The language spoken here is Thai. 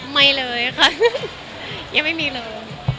ไม่เลยค่ะยังไม่มีเลย